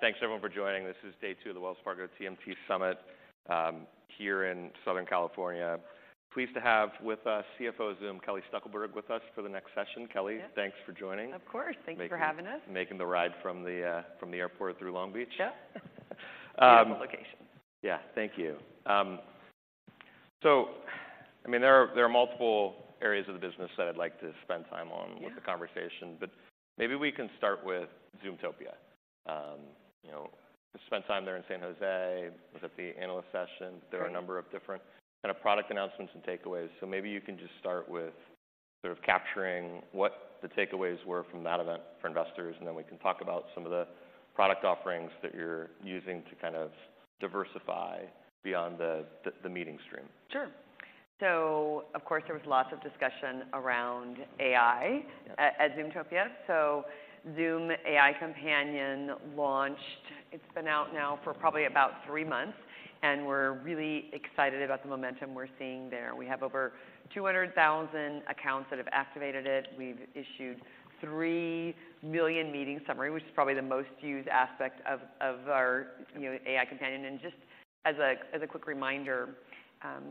Thanks everyone for joining. This is day two of the Wells Fargo TMT Summit here in Southern California. Pleased to have with us CFO Zoom, Kelly Steckelberg, with us for the next session. Kelly- Yes. Thanks for joining. Of course. Thank you for having us. Making the ride from the airport through Long Beach. Yeah. Beautiful location. Yeah. Thank you. So, I mean, there are multiple areas of the business that I'd like to spend time on- Yeah -with the conversation, but maybe we can start with Zoomtopia. You know, we spent time there in San Jose, was at the analyst session. Sure. There are a number of different kind of product announcements and takeaways, so maybe you can just start with sort of capturing what the takeaways were from that event for investors, and then we can talk about some of the product offerings that you're using to kind of diversify beyond the meeting stream. Sure. So of course, there was lots of discussion around AI- Yeah at Zoomtopia. Zoom AI Companion launched. It's been out now for probably about three months, and we're really excited about the momentum we're seeing there. We have over 200,000 accounts that have activated it. We've issued 3 million meeting summary, which is probably the most used aspect of our, you know, AI Companion. And just as a quick reminder,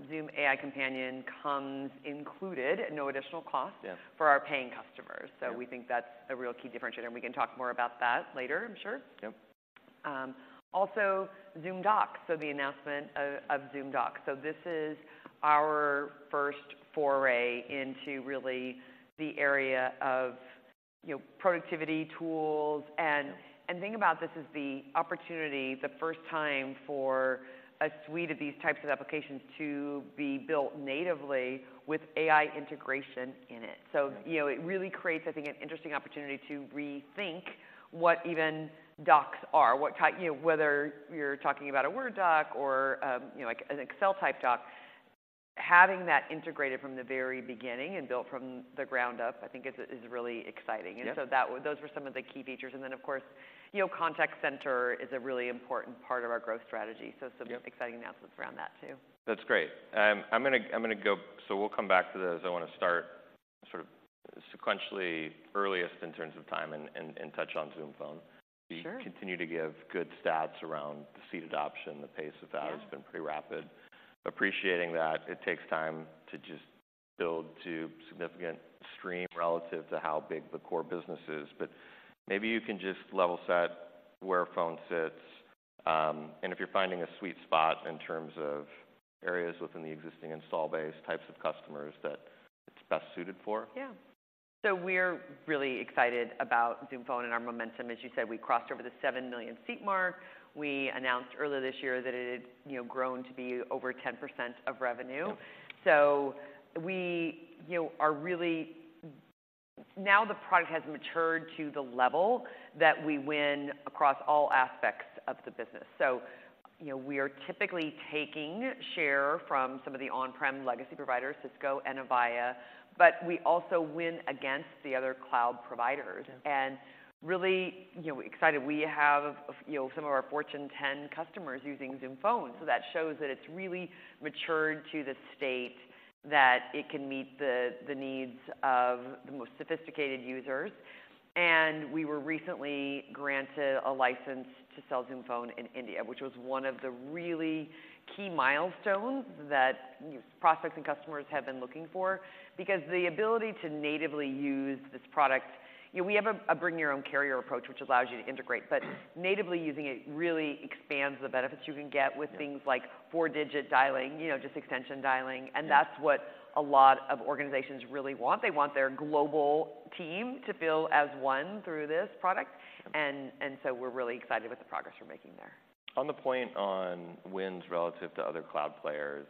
Zoom AI Companion comes included at no additional cost- Yeah for our paying customers. Yeah. We think that's a real key differentiator, and we can talk more about that later, I'm sure. Yep. Also Zoom Docs, so the announcement of Zoom Docs. So this is our first foray into really the area of, you know, productivity tools. And think about this as the opportunity, the first time for a suite of these types of applications to be built natively with AI integration in it. Right. So, you know, it really creates, I think, an interesting opportunity to rethink what even docs are, what type... You know, whether you're talking about a Word doc or, you know, like an Excel type doc, having that integrated from the very beginning and built from the ground up, I think is really exciting. Yeah. Those were some of the key features. Of course, you know, Contact Center is a really important part of our growth strategy. Yep. Some exciting announcements around that, too. That's great. I'm gonna go, so we'll come back to those. I wanna start sort of sequentially earliest in terms of time and touch on Zoom Phone. Sure. You continue to give good stats around the seat adoption. The pace of that- Yeah has been pretty rapid. Appreciating that it takes time to just build to significant stream relative to how big the core business is. But maybe you can just level set where Phone sits, and if you're finding a sweet spot in terms of areas within the existing install base, types of customers that it's best suited for. Yeah. So we're really excited about Zoom Phone and our momentum. As you said, we crossed over the 7 million seat mark. We announced earlier this year that it had, you know, grown to be over 10% of revenue. Yeah. So we, you know, are really... Now the product has matured to the level that we win across all aspects of the business. So, you know, we are typically taking share from some of the on-prem legacy providers, Cisco and Avaya, but we also win against the other cloud providers. Yeah. And really, you know, excited. We have, you know, some of our Fortune 10 customers using Zoom Phone, so that shows that it's really matured to the state that it can meet the, the needs of the most sophisticated users. And we were recently granted a license to sell Zoom Phone in India, which was one of the really key milestones that prospects and customers have been looking for. Because the ability to natively use this product... You know, we have a, a bring your own carrier approach, which allows you to integrate, but natively using it really expands the benefits you can get- Yeah -with things like four-digit dialing, you know, just extension dialing. Yeah. That's what a lot of organizations really want. They want their global team to feel as one through this product. Yeah. So we're really excited with the progress we're making there. On the point on wins relative to other cloud players,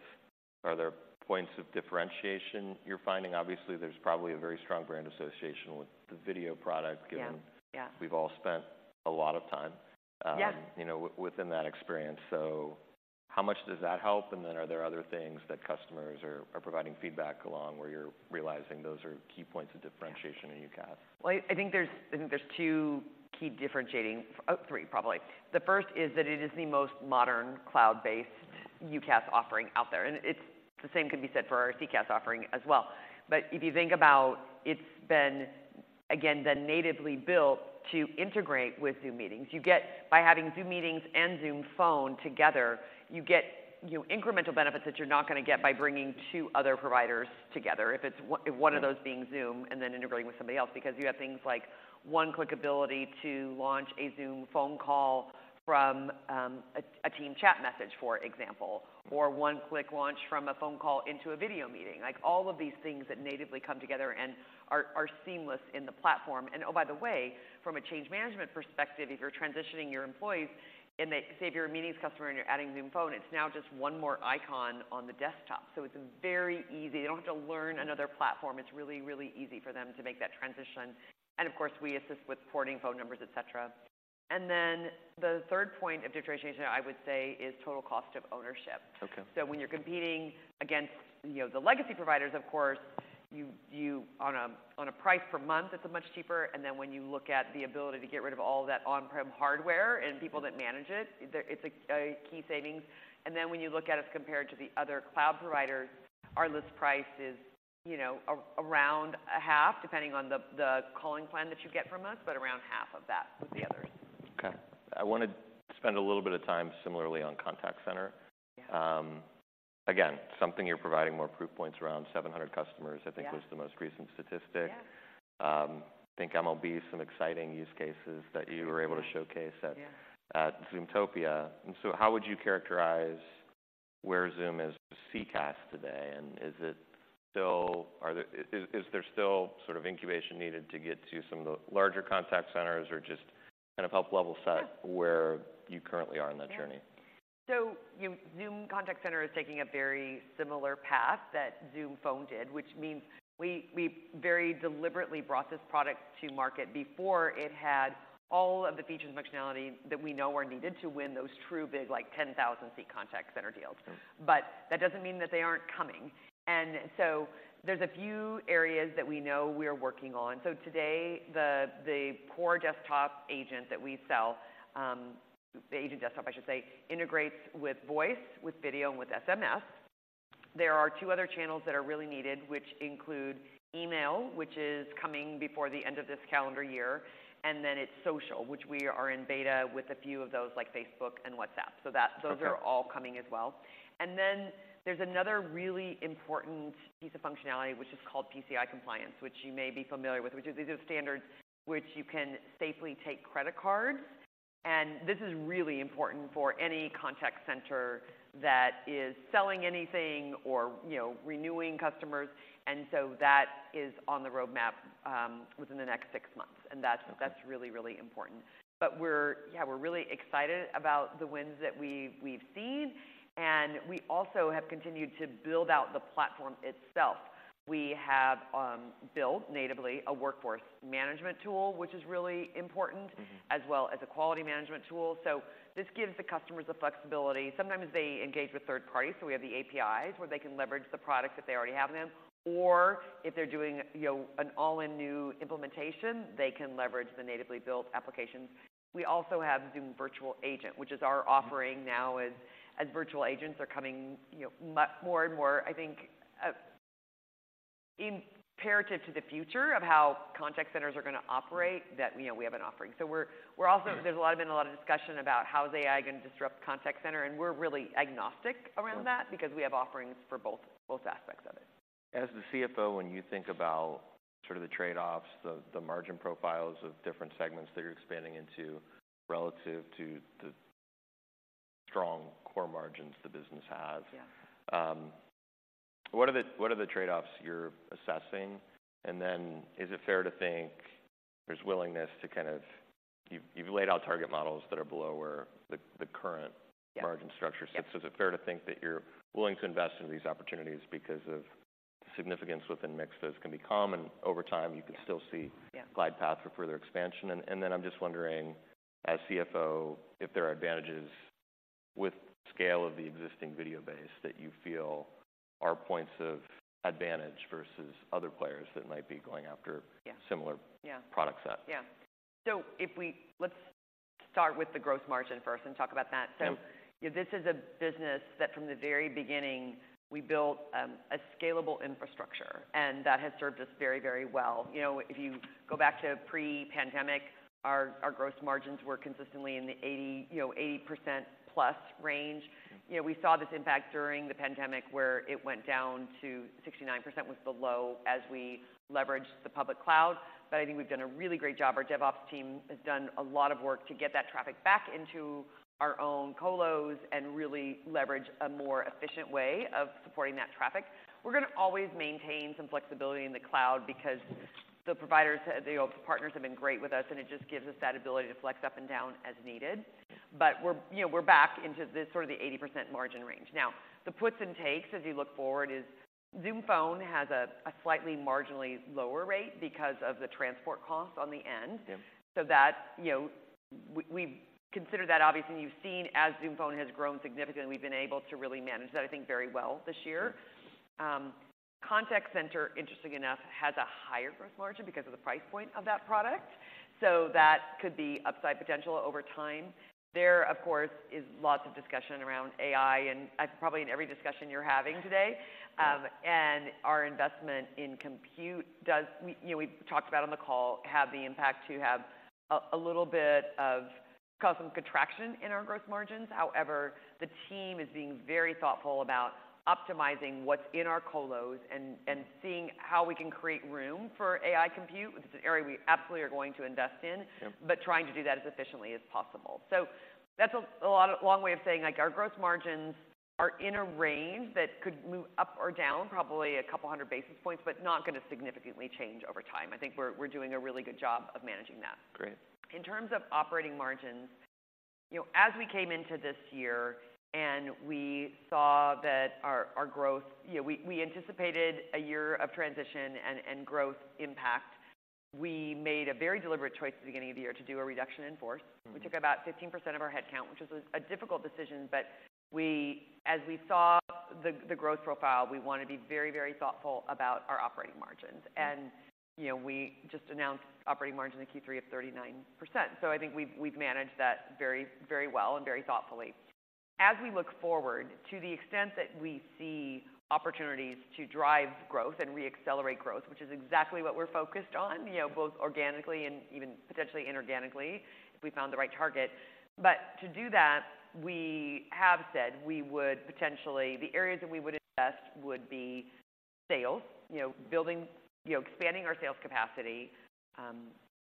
are there points of differentiation you're finding? Obviously, there's probably a very strong brand association with the video product given- Yeah. Yeah We've all spent a lot of time, Yeah... you know, within that experience. So how much does that help? And then are there other things that customers are providing feedback along, where you're realizing those are key points of differentiation in UCaaS? Well, I think there's two key differentiating... Oh, three, probably. The first is that it is the most modern, cloud-based UCaaS offering out there, and it's the same can be said for our CCaaS offering as well. But if you think about, it's been natively built to integrate with Zoom Meetings. You get, by having Zoom Meetings and Zoom Phone together, you get, you know, incremental benefits that you're not gonna get by bringing two other providers together, if it's o- Yeah If one of those being Zoom, and then integrating with somebody else. Because you have things like one-click ability to launch a Zoom Phone call from a team chat message, for example, or one click launch from a phone call into a video meeting. Like, all of these things that natively come together and are seamless in the platform. And oh, by the way, from a change management perspective, if you're transitioning your employees, say, if you're a Meetings customer and you're adding Zoom Phone, it's now just one more icon on the desktop. So it's very easy. They don't have to learn another platform. It's really, really easy for them to make that transition. And of course, we assist with porting phone numbers, et cetera. And then the third point of differentiation, I would say, is total cost of ownership. Okay. So when you're competing against, you know, the legacy providers, of course, you on a price per month, it's much cheaper. And then when you look at the ability to get rid of all that on-prem hardware- Yeah and people that manage it, there, it's a key savings. And then when you look at it compared to the other cloud providers, our list price is, you know, around a half, depending on the calling plan that you get from us, but around half of that of the others. Okay. I wanna spend a little bit of time similarly on contact center. Yeah.... again, something you're providing more proof points around 700 customers- Yeah. I think was the most recent statistic. Yeah. I think MLB, some exciting use cases that you- Right... were able to showcase at- Yeah at Zoomtopia. And so how would you characterize where Zoom is with CCaaS today? And is it still, are there, is there still sort of incubation needed to get to some of the larger contact centers, or just kind of help level set- Yeah where you currently are on that journey? Yeah. So, you know, Zoom Contact Center is taking a very similar path that Zoom Phone did, which means we, we very deliberately brought this product to market before it had all of the features and functionality that we know are needed to win those true, big, like, 10,000-seat contact center deals. Mm-hmm. But that doesn't mean that they aren't coming. And so there's a few areas that we know we are working on. So today, the core desktop agent that we sell, the agent desktop, I should say, integrates with voice, with video, and with SMS. There are two other channels that are really needed, which include email, which is coming before the end of this calendar year, and then it's social, which we are in beta with a few of those, like Facebook and WhatsApp. So that- Okay. Those are all coming as well. And then there's another really important piece of functionality, which is called PCI Compliance, which you may be familiar with, which is, these are standards which you can safely take credit cards. And this is really important for any contact center that is selling anything or, you know, renewing customers, and so that is on the roadmap within the next six months. Okay. That's, that's really, really important. But we're... Yeah, we're really excited about the wins that we, we've seen, and we also have continued to build out the platform itself. We have built natively a workforce management tool, which is really important- Mm-hmm - as well as a quality management tool. So this gives the customers the flexibility. Sometimes they engage with third parties, so we have the APIs, where they can leverage the product that they already have in them. Or if they're doing, you know, an all-in new implementation, they can leverage the natively built applications. We also have Zoom Virtual Agent, which is our offering- Mm-hmm now, as virtual agents are coming, you know, more and more, I think, imperative to the future of how contact centers are gonna operate- Mm - that, you know, we have an offering. So we're also- Mm. There's a lot, been a lot of discussion about how is AI gonna disrupt the contact center, and we're really agnostic around that. Sure because we have offerings for both, both aspects of it. As the CFO, when you think about sort of the trade-offs, the margin profiles of different segments that you're expanding into relative to the strong core margins the business has? Yeah... what are the trade-offs you're assessing? And then is it fair to think there's willingness to kind of, you've laid out target models that are below where the current- Yeah Margin structure sits. Yeah. Is it fair to think that you're willing to invest in these opportunities because of significance within mix? Those can be common. Over time, you can still see- Yeah glide path for further expansion. Then I'm just wondering, as CFO, if there are advantages with scale of the existing video base that you feel are points of advantage versus other players that might be going after- Yeah - similar- Yeah product set? Yeah. So let's start with the gross margin first and talk about that. Yeah. So this is a business that from the very beginning, we built a scalable infrastructure, and that has served us very, very well. You know, if you go back to pre-pandemic, our gross margins were consistently in the 80, you know, 80% plus range. Mm-hmm. You know, we saw this impact during the pandemic, where it went down to 69% was the low as we leveraged the public cloud. But I think we've done a really great job. Our DevOps team has done a lot of work to get that traffic back into our own colos and really leverage a more efficient way of supporting that traffic. We're gonna always maintain some flexibility in the cloud because the providers, the partners, have been great with us, and it just gives us that ability to flex up and down as needed. But we're, you know, we're back into the sort of the 80% margin range. Now, the puts and takes, as you look forward, is Zoom Phone has a slightly marginally lower rate because of the transport costs on the end. Yeah. So, that you know, we've considered that, obviously, and you've seen as Zoom Phone has grown significantly, we've been able to really manage that, I think, very well this year. Yeah. Contact center, interestingly enough, has a higher growth margin because of the price point of that product, so that could be upside potential over time. There, of course, is lots of discussion around AI, and probably in every discussion you're having today. Yeah. Our investment in compute does, we, you know, we've talked about on the call, have the impact to cause some contraction in our growth margins. However, the team is being very thoughtful about optimizing what's in our colos and seeing how we can create room for AI compute, which is an area we absolutely are going to invest in. Yeah. But trying to do that as efficiently as possible. So that's a lot, a long way of saying, like, our growth margins are in a range that could move up or down, probably a couple hundred basis points, but not gonna significantly change over time. I think we're doing a really good job of managing that. Great. In terms of operating margins, you know, as we came into this year and we saw that our growth, you know, we anticipated a year of transition and growth impact. We made a very deliberate choice at the beginning of the year to do a reduction in force. Mm-hmm. We took about 15% of our headcount, which was a difficult decision, but we, as we saw the growth profile, we wanted to be very, very thoughtful about our operating margins. Yeah. You know, we just announced operating margins in Q3 of 39%. So I think we've managed that very, very well and very thoughtfully. As we look forward, to the extent that we see opportunities to drive growth and re-accelerate growth, which is exactly what we're focused on, you know, both organically and even potentially inorganically, if we found the right target. But to do that, we have said we would potentially, the areas that we would invest would be sales, you know, building, you know, expanding our sales capacity,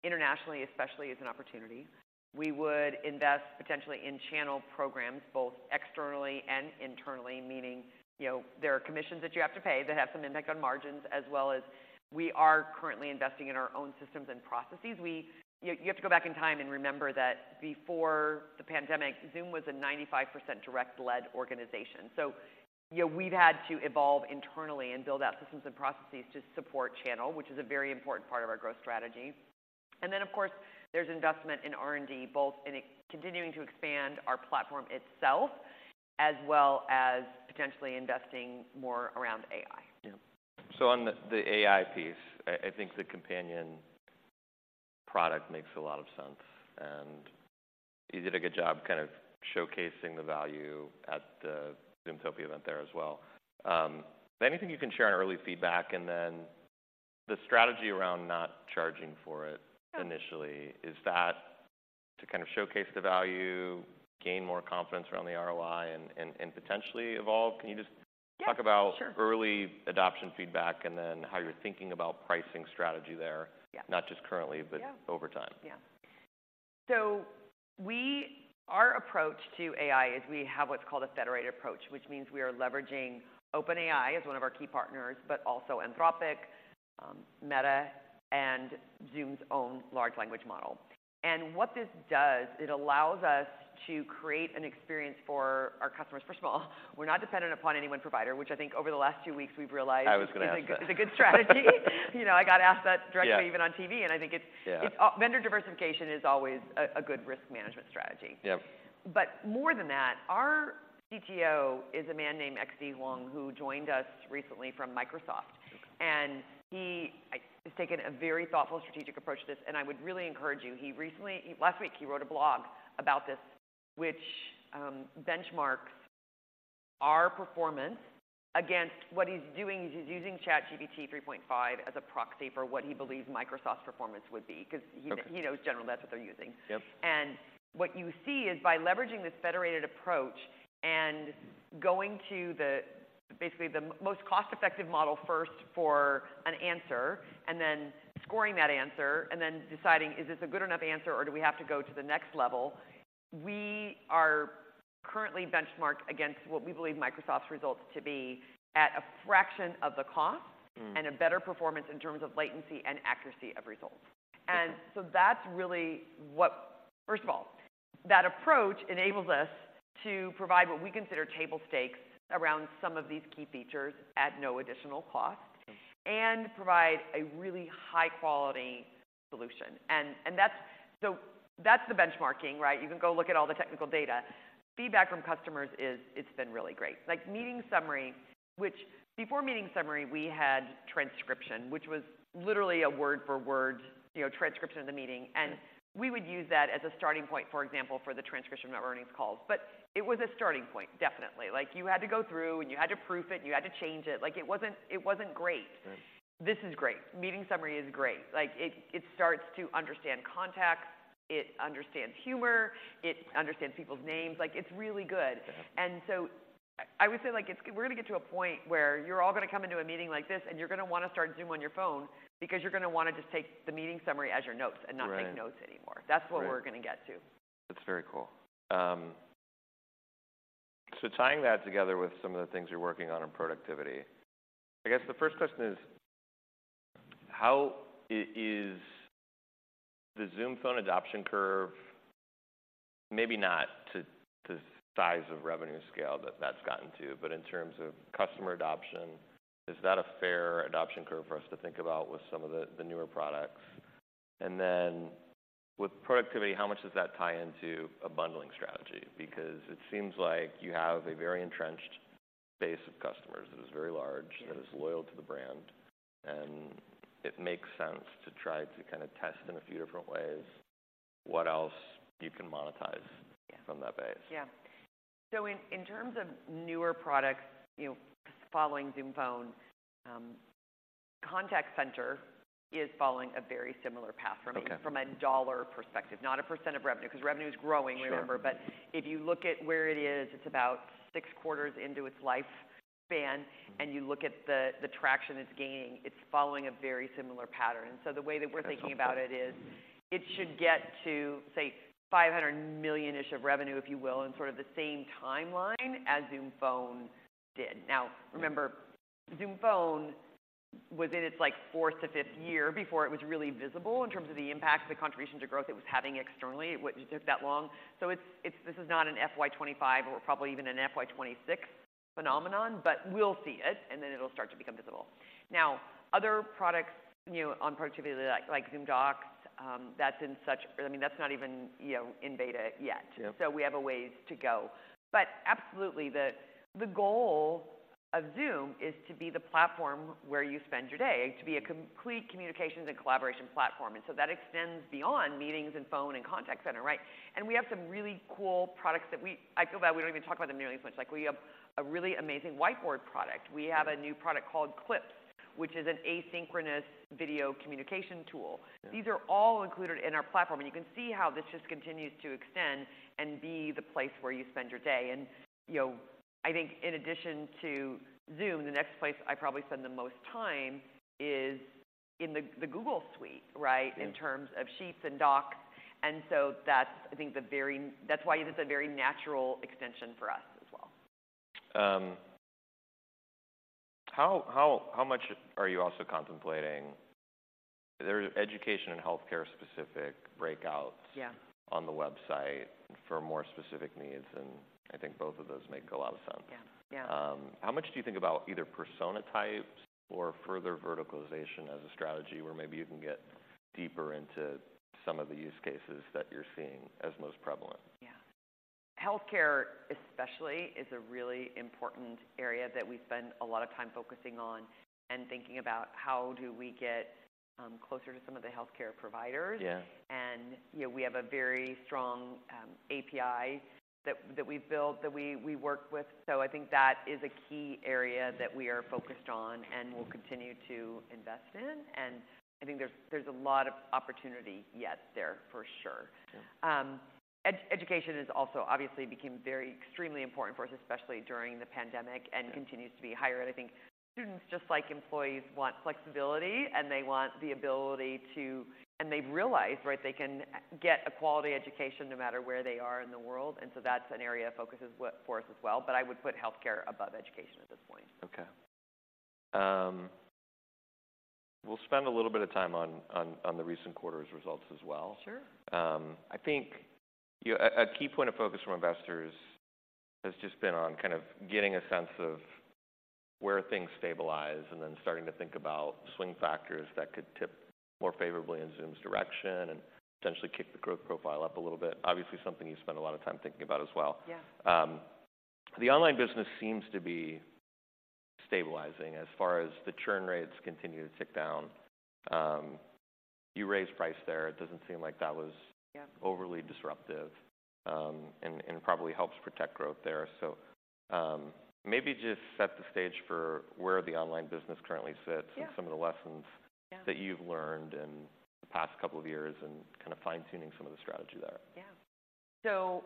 internationally especially, is an opportunity. We would invest potentially in channel programs, both externally and internally, meaning, you know, there are commissions that you have to pay that have some impact on margins, as well as we are currently investing in our own systems and processes. You, you have to go back in time and remember that before the pandemic, Zoom was a 95% direct-led organization. So, you know, we've had to evolve internally and build out systems and processes to support channel, which is a very important part of our growth strategy. And then, of course, there's investment in R&D, both in continuing to expand our platform itself, as well as potentially investing more around AI. Yeah. So on the AI piece, I think the companion product makes a lot of sense, and you did a good job kind of showcasing the value at the Zoomtopia event there as well. Anything you can share on early feedback, and then the strategy around not charging for it initially, is that to kind of showcase the value, gain more confidence around the ROI, and potentially evolve? Can you just- Yeah, sure. Talk about early adoption feedback and then how you're thinking about pricing strategy there? Yeah. Not just currently- Yeah... but over time. Yeah. So our approach to AI is we have what's called a federated approach, which means we are leveraging... OpenAI as one of our key partners, but also Anthropic, Meta, and Zoom's own large language model. And what this does, it allows us to create an experience for our customers. First of all, we're not dependent upon any one provider, which I think over the last two weeks we've realized- I was going to ask that.... it's a good strategy. You know, I got asked that directly- Yeah... even on TV, and I think it's- Yeah... it's vendor diversification is always a good risk management strategy. Yep. But more than that, our CTO is a man named X.D. Huang, who joined us recently from Microsoft. Okay. And he has taken a very thoughtful strategic approach to this, and I would really encourage you... He recently, last week, he wrote a blog about this, which benchmarks our performance against what he's doing. He's using ChatGPT 3.5 as a proxy for what he believes Microsoft's performance would be, 'cause he- Okay... he knows generally that's what they're using. Yep. What you see is, by leveraging this federated approach and going to the, basically, the most cost-effective model first for an answer, and then scoring that answer, and then deciding, is this a good enough answer or do we have to go to the next level? We are currently benchmarked against what we believe Microsoft's results to be at a fraction of the cost. Mm. and a better performance in terms of latency and accuracy of results. Okay. And so that's really what... First of all, that approach enables us to provide what we consider table stakes around some of these key features at no additional cost- Mm... and provide a really high-quality solution. And that's the benchmarking, right? You can go look at all the technical data. Feedback from customers is it's been really great. Like, meeting summary, which before meeting summary, we had transcription, which was literally a word for word, you know, transcription of the meeting. Yeah. We would use that as a starting point, for example, for the transcription of our earnings calls. But it was a starting point, definitely. Like, you had to go through, and you had to proof it, and you had to change it. Like, it wasn't, it wasn't great. Right. This is great. Meeting summary is great. Like, it starts to understand context, it understands humor, it understands people's names. Like, it's really good. Yeah. And so I would say, like it's—we're gonna get to a point where you're all gonna come into a meeting like this, and you're gonna wanna start Zoom on your phone because you're gonna wanna just take the meeting summary as your notes- Right... and not take notes anymore. Right. That's what we're gonna get to. That's very cool. So tying that together with some of the things you're working on in productivity, I guess the first question is: How is the Zoom Phone adoption curve, maybe not to the size of revenue scale that that's gotten to, but in terms of customer adoption, is that a fair adoption curve for us to think about with some of the newer products? And then with productivity, how much does that tie into a bundling strategy? Because it seems like you have a very entrenched base of customers that is very large- Yeah... that is loyal to the brand, and it makes sense to try to kind of test in a few different ways what else you can monetize- Yeah... from that base. Yeah. So in terms of newer products, you know, following Zoom Phone, Contact Center is following a very similar path from a- Okay... from a dollar perspective, not a % of revenue, 'cause revenue is growing, remember. Sure. But if you look at where it is, it's about six quarters into its lifespan- Mm-hmm... and you look at the traction it's gaining, it's following a very similar pattern. Okay. The way that we're thinking about it is it should get to, say, $500 million-ish of revenue, if you will, in sort of the same timeline as Zoom Phone did. Yeah. Now, remember, Zoom Phone was in its like fourth to fifith year before it was really visible in terms of the impact, the contribution to growth it was having externally. It took that long. So this is not an FY 2025 or probably even an FY 2026 phenomenon, but we'll see it, and then it'll start to become visible. Now, other products, you know, on productivity, like Zoom Docs, I mean, that's not even, you know, in beta yet. Yeah. So we have a ways to go. But absolutely, the, the goal of Zoom is to be the platform where you spend your day, to be a complete communications and collaboration platform. And so that extends beyond meetings, and phone, and contact center, right? And we have some really cool products that we-- I feel bad we don't even talk about them nearly as much. Like, we have a really amazing whiteboard product. Yeah. We have a new product called Clips, which is an asynchronous video communication tool. Yeah. These are all included in our platform, and you can see how this just continues to extend and be the place where you spend your day. You know, I think in addition to Zoom, the next place I probably spend the most time is in the Google Suite, right? Yeah. In terms of Sheets and Docs, and so that's, I think, why this is a very natural extension for us as well. How much are you also contemplating... There's education and healthcare-specific breakouts- Yeah - on the website for more specific needs, and I think both of those make a lot of sense. Yeah. Yeah. How much do you think about either persona types or further verticalization as a strategy, where maybe you can get deeper into some of the use cases that you're seeing as most prevalent? Yeah. Healthcare, especially, is a really important area that we spend a lot of time focusing on and thinking about how do we get closer to some of the healthcare providers. Yeah. You know, we have a very strong API that we've built that we work with. So I think that is a key area that we are focused on and will continue to invest in, and I think there's a lot of opportunity yet there, for sure. Yeah. Education is also obviously became very extremely important for us, especially during the pandemic. Yeah And continues to be higher. I think students, just like employees, want flexibility, and they want the ability to... They've realized, right, they can get a quality education no matter where they are in the world, and so that's an area of focus as well, for us as well. But I would put healthcare above education at this point. Okay. We'll spend a little bit of time on the recent quarter's results as well. Sure. I think, you know, a key point of focus from investors has just been on kind of getting a sense of where things stabilize and then starting to think about swing factors that could tip more favorably in Zoom's direction and potentially kick the growth profile up a little bit. Obviously, something you spend a lot of time thinking about as well. Yeah. The online business seems to be stabilizing as far as the churn rates continue to tick down. You raised price there. It doesn't seem like that was- Yeah - overly disruptive, and it probably helps protect growth there. So, maybe just set the stage for where the online business currently sits- Yeah - and some of the lessons- Yeah that you've learned in the past couple of years and kind of fine-tuning some of the strategy there. Yeah. So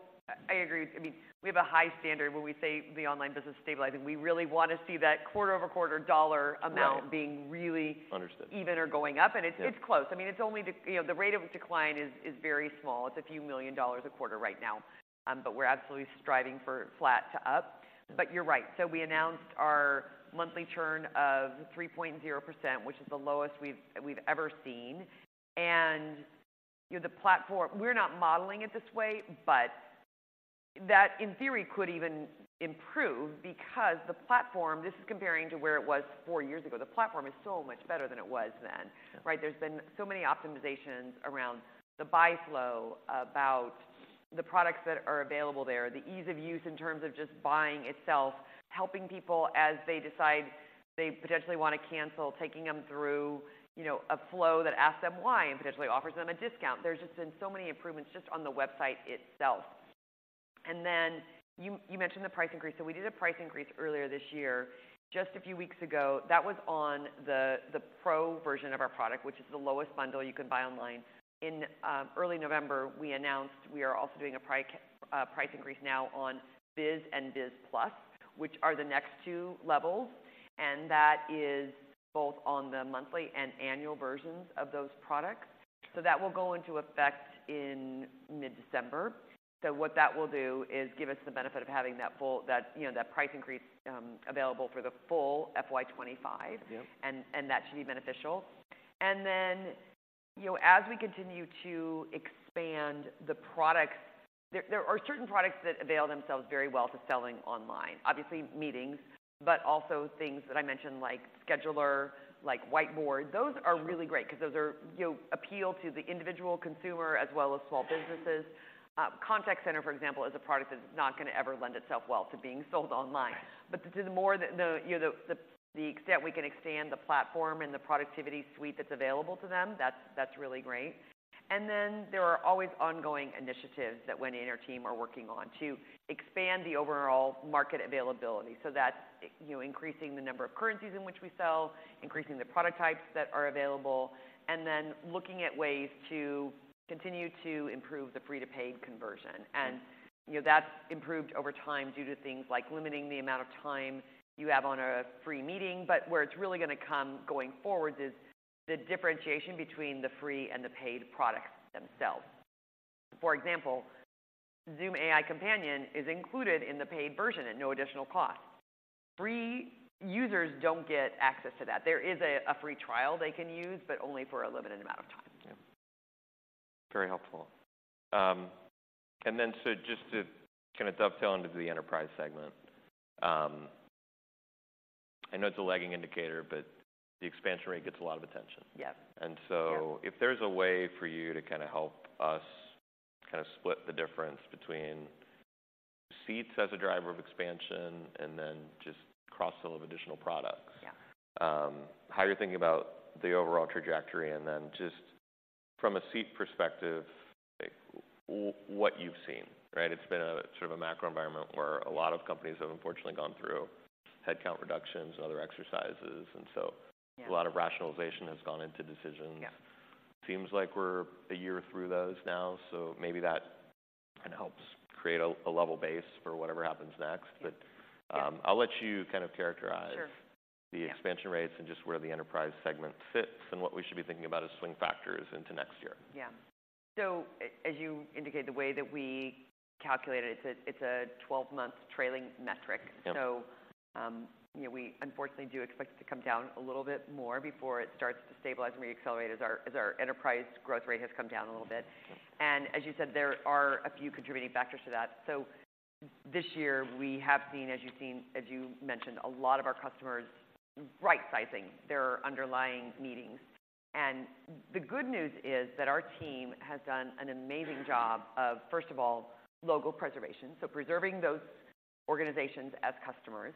I agree. I mean, we have a high standard when we say the online business is stabilizing. We really want to see that quarter-over-quarter dollar amount- Right being really Understood - even or going up. Yeah. It's close. I mean, it's only the... You know, the rate of decline is very small. It's a few million dollars a quarter right now, but we're absolutely striving for flat to up. But you're right, so we announced our monthly churn of 3.0%, which is the lowest we've ever seen. And, you know, the platform, we're not modeling it this way, but that, in theory, could even improve because the platform, this is comparing to where it was four years ago, the platform is so much better than it was then. Yeah. Right? There's been so many optimizations around the buy flow, about the products that are available there, the ease of use in terms of just buying itself, helping people as they decide they potentially want to cancel, taking them through, you know, a flow that asks them why, and potentially offers them a discount. There's just been so many improvements just on the website itself. And then you mentioned the price increase. So we did a price increase earlier this year, just a few weeks ago. That was on the Pro version of our product, which is the lowest bundle you can buy online. In early November, we announced we are also doing a price increase now on Biz and Biz Plus, which are the next two levels, and that is both on the monthly and annual versions of those products. So that will go into effect in mid-December. So what that will do is give us the benefit of having that full, you know, that price increase available for the full FY 2025. Yeah. That should be beneficial. Then, you know, as we continue to expand the products, there are certain products that avail themselves very well to selling online. Obviously, Meetings, but also things that I mentioned, like Scheduler, like Whiteboard. Sure. Those are really great because those are, you know, appeal to the individual consumer as well as small businesses. Contact Center, for example, is a product that's not gonna ever lend itself well to being sold online. Right. But the more that, you know, the extent we can expand the platform and the productivity suite that's available to them, that's really great. And then there are always ongoing initiatives that Wendy and her team are working on to expand the overall market availability. So that's, you know, increasing the number of currencies in which we sell, increasing the product types that are available, and then looking at ways to continue to improve the free-to-paid conversion. Yeah. You know, that's improved over time due to things like limiting the amount of time you have on a free meeting. But where it's really gonna come, going forward, is the differentiation between the free and the paid products themselves. For example, Zoom AI Companion is included in the paid version at no additional cost. Free users don't get access to that. There is a free trial they can use, but only for a limited amount of time. Yeah. Very helpful. And then, so just to kind of dovetail into the enterprise segment, I know it's a lagging indicator, but the expansion rate gets a lot of attention. Yep. And so- Yeah If there's a way for you to kind of help us kind of split the difference between seats as a driver of expansion and then just cross-sell of additional products. Yeah. How you're thinking about the overall trajectory? And then just from a seat perspective, like, what you've seen, right? It's been a sort of a macro environment where a lot of companies have unfortunately gone through headcount reductions and other exercises, and so- Yeah... a lot of rationalization has gone into decisions. Yeah. Seems like we're a year through those now, so maybe that kind of helps create a level base for whatever happens next. But- Yeah... I'll let you kind of characterize- Sure. Yeah - the expansion rates and just where the enterprise segment fits and what we should be thinking about as swing factors into next year. Yeah. So as you indicated, the way that we calculate it, it's a twelve-month trailing metric. Yep. So, you know, we unfortunately do expect it to come down a little bit more before it starts to stabilize and reaccelerate as our enterprise growth rate has come down a little bit. As you said, there are a few contributing factors to that. This year, we have seen, as you've seen, as you mentioned, a lot of our customers right-sizing their underlying meetings. The good news is that our team has done an amazing job of, first of all, logo preservation, so preserving those organizations as customers,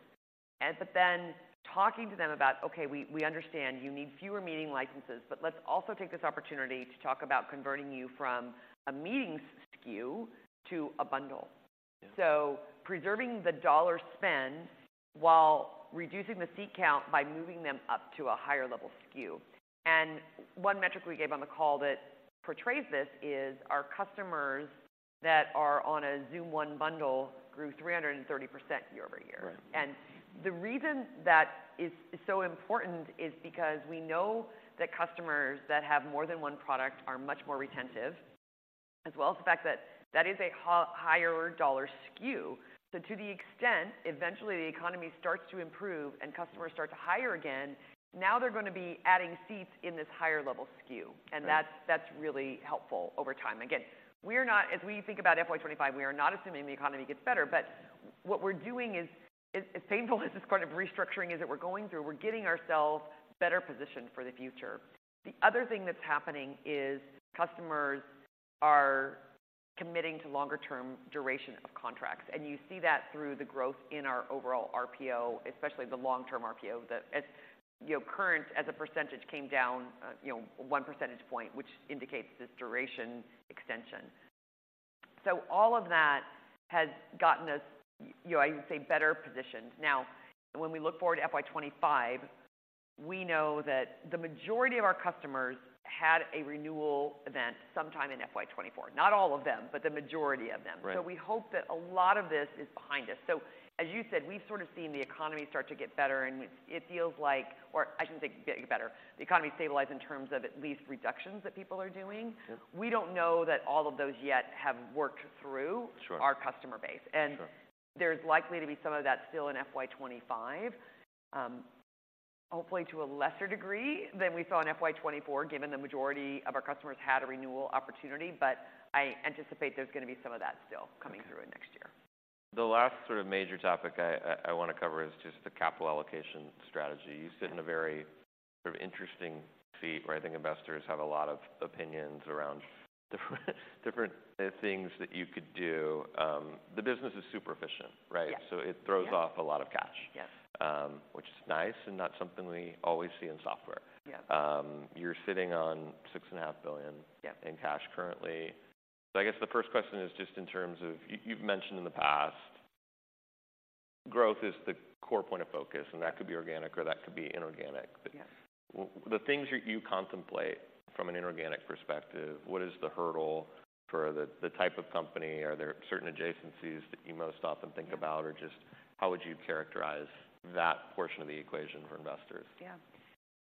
and then talking to them about, "Okay, we understand you need fewer meeting licenses, but let's also take this opportunity to talk about converting you from a meetings SKU to a bundle. Yeah. Preserving the dollar spend while reducing the seat count by moving them up to a higher level SKU. One metric we gave on the call that portrays this is our customers that are on a Zoom One bundle grew 330% year-over-year. Right. The reason that is, is so important is because we know that customers that have more than one product are much more retentive, as well as the fact that that is a higher dollar SKU. So to the extent, eventually, the economy starts to improve and customers start to hire again, now they're gonna be adding seats in this higher level SKU. Right. That's really helpful over time. Again, we're not, as we think about FY 2025, we are not assuming the economy gets better, but what we're doing is, as painful as this part of restructuring is that we're going through, we're getting ourselves better positioned for the future. The other thing that's happening is customers are committing to longer term duration of contracts, and you see that through the growth in our overall RPO, especially the long-term RPO, that, as you know, current, as a percentage, came down, you know, 1 percentage point, which indicates this duration extension. All of that has gotten us, you know, I would say, better positioned. Now, when we look forward to FY 2025, we know that the majority of our customers had a renewal event sometime in FY 2024. Not all of them, but the majority of them. Right. We hope that a lot of this is behind us. As you said, we've sort of seen the economy start to get better, and it, it feels like... Or I shouldn't say get better, the economy stabilized in terms of at least reductions that people are doing. Yeah. We don't know that all of those yet have worked through- Sure... our customer base. Sure. There's likely to be some of that still in FY 2025, hopefully to a lesser degree than we saw in FY 2024, given the majority of our customers had a renewal opportunity. But I anticipate there's gonna be some of that still coming through in next year. The last sort of major topic I want to cover is just the capital allocation strategy. You sit in a very sort of interesting seat, where I think investors have a lot of opinions around different things that you could do. The business is super efficient, right? Yeah. So it throws off- Yeah a lot of cash. Yes. Which is nice and not something we always see in software. Yeah. You're sitting on $6.5 billion- Yeah in cash currently. So I guess the first question is just in terms of... You, you've mentioned in the past, growth is the core point of focus, and that could be organic or that could be inorganic. Yeah. But the things that you contemplate from an inorganic perspective, what is the hurdle for the, the type of company? Are there certain adjacencies that you most often think about, or just how would you characterize that portion of the equation for investors? Yeah.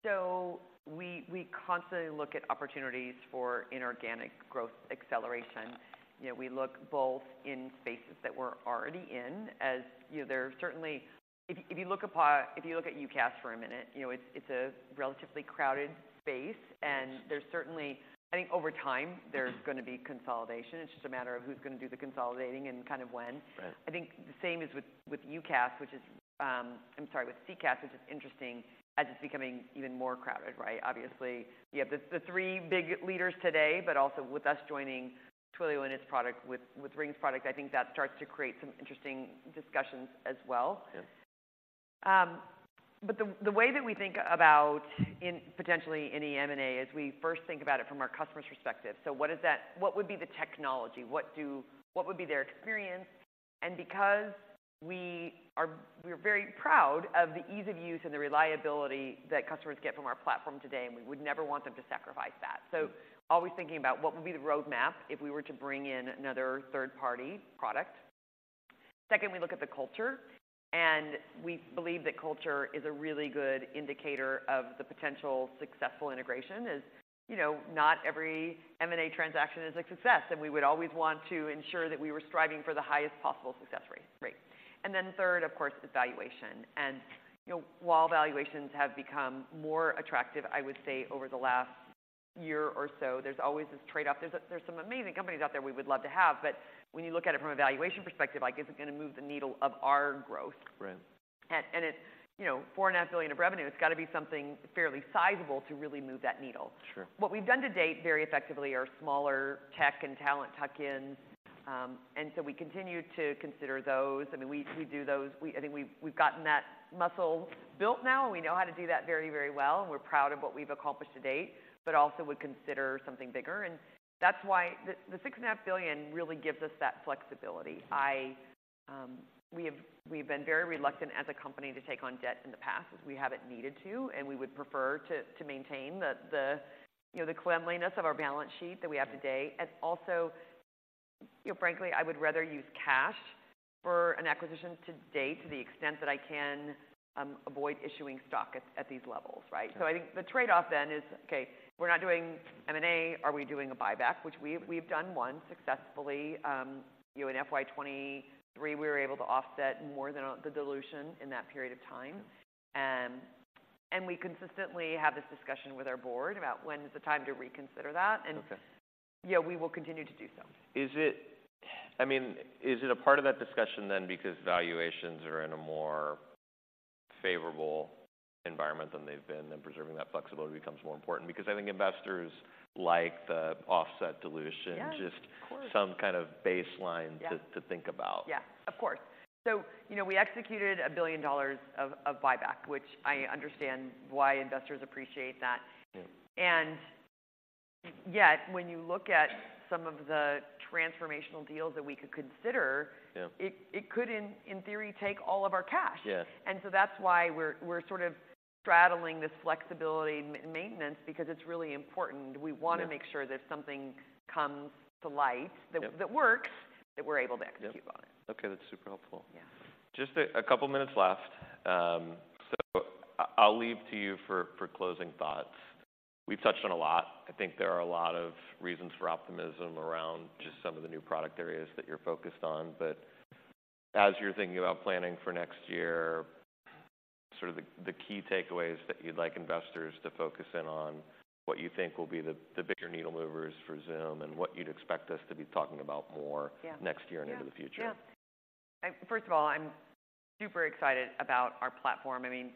So we constantly look at opportunities for inorganic growth acceleration. You know, we look both in spaces that we're already in, as, you know, there are certainly... If you look at UCaaS for a minute, you know, it's a relatively crowded space, and there's certainly, I think over time, there's gonna be consolidation. It's just a matter of who's gonna do the consolidating and kind of when. Right. I think the same is with CCaaS, which is interesting as it's becoming even more crowded, right? Obviously, you have the three big leaders today, but also with us joining Twilio and its product, with RingCentral's product, I think that starts to create some interesting discussions as well. Yeah. But the way that we think about in potentially any M&A is we first think about it from our customer's perspective. So what is that? What would be the technology? What would be their experience? And because we're very proud of the ease of use and the reliability that customers get from our platform today, and we would never want them to sacrifice that. So always thinking about what would be the roadmap if we were to bring in another third-party product. Second, we look at the culture, and we believe that culture is a really good indicator of the potential successful integration. As you know, not every M&A transaction is a success, and we would always want to ensure that we were striving for the highest possible success rate. And then third, of course, is valuation. You know, while valuations have become more attractive, I would say, over the last... year or so, there's always this trade-off. There's some amazing companies out there we would love to have, but when you look at it from a valuation perspective, like, is it gonna move the needle of our growth? Right. It's, you know, $4.5 billion of revenue. It's gotta be something fairly sizable to really move that needle. Sure. What we've done to date very effectively are smaller tech and talent tuck-ins, and so we continue to consider those. I mean, we do those. I think we've gotten that muscle built now, and we know how to do that very, very well, and we're proud of what we've accomplished to date, but also would consider something bigger, and that's why the $6.5 billion really gives us that flexibility. We've been very reluctant as a company to take on debt in the past, as we haven't needed to, and we would prefer to maintain the, you know, the cleanliness of our balance sheet that we have today. Also, you know, frankly, I would rather use cash for an acquisition to date, to the extent that I can avoid issuing stock at these levels, right? Sure. So I think the trade-off then is, okay, we're not doing M&A. Are we doing a buyback? Which we've done one successfully. You know, in FY 2023, we were able to offset more than the dilution in that period of time. And we consistently have this discussion with our board about when is the time to reconsider that, and- Okay. Yeah, we will continue to do so. Is it... I mean, is it a part of that discussion then because valuations are in a more favorable environment than they've been, then preserving that flexibility becomes more important? Because I think investors like the offset dilution- Yeah, of course. just some kind of baseline. Yeah to think about. Yeah, of course. So, you know, we executed $1 billion of buyback, which I understand why investors appreciate that. Yeah. And yet, when you look at some of the transformational deals that we could consider- Yeah... it could, in theory, take all of our cash. Yeah. So that's why we're sort of straddling this flexibility maintenance, because it's really important. Yeah. We wanna make sure that if something comes to light- Yeah that, that works, that we're able to execute on it. Yeah. Okay, that's super helpful. Yeah. Just a couple minutes left. So I'll leave to you for closing thoughts. We've touched on a lot. I think there are a lot of reasons for optimism around just some of the new product areas that you're focused on. But as you're thinking about planning for next year, sort of the key takeaways that you'd like investors to focus in on, what you think will be the bigger needle movers for Zoom, and what you'd expect us to be talking about more- Yeah Next year and into the future? Yeah. Yeah. I. First of all, I'm super excited about our platform. I mean,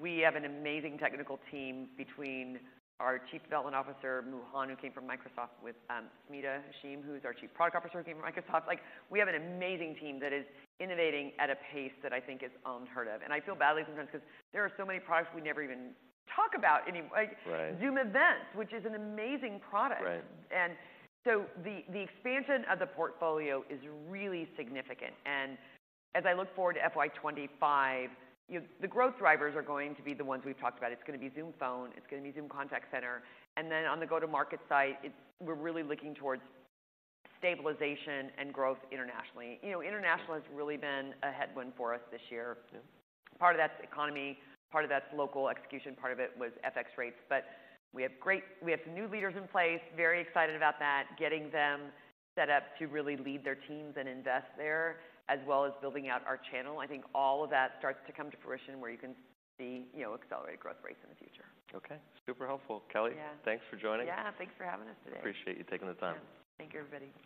we have an amazing technical team between our Chief Development Officer, Mu Han, who came from Microsoft, with Smita Hashim, who is our Chief Product Officer, came from Microsoft. Like, we have an amazing team that is innovating at a pace that I think is unheard of. And I feel badly sometimes because there are so many products we never even talk about any anymore. Right. Like, Zoom Events, which is an amazing product. Right. And so the expansion of the portfolio is really significant, and as I look forward to FY 2025, you know, the growth drivers are going to be the ones we've talked about. It's gonna be Zoom Phone, it's gonna be Zoom Contact Center, and then on the go-to-market side, it's, we're really looking towards stabilization and growth internationally. You know, international has really been a headwind for us this year. Yeah. Part of that's economy, part of that's local execution, part of it was FX rates. But we have great, we have new leaders in place, very excited about that, getting them set up to really lead their teams and invest there, as well as building out our channel. I think all of that starts to come to fruition, where you can see, you know, accelerated growth rates in the future. Okay, super helpful. Kelly- Yeah. Thanks for joining us. Yeah, thanks for having us today. Appreciate you taking the time. Yeah. Thank you, everybody.